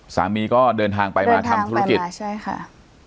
สามีก็เดินทางไปมาทำธุรกิจเดินทางไปมาใช่ค่ะ